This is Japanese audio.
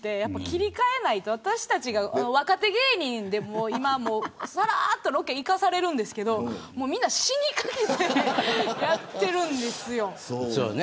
切り替えないと若手芸人でも、今さらっとロケ行かされるんですけどみんな死にかけてやってるんですよ。